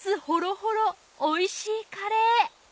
ほろほろおいしいカレー！